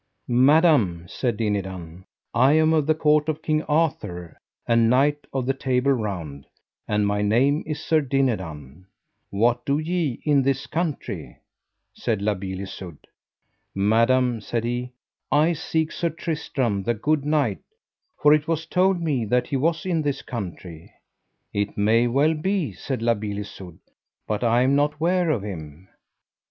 Madam, said Dinadan, I am of the court of King Arthur, and knight of the Table Round, and my name is Sir Dinadan. What do ye in this country? said La Beale Isoud. Madam, said he, I seek Sir Tristram the good knight, for it was told me that he was in this country. It may well be, said La Beale Isoud, but I am not ware of him.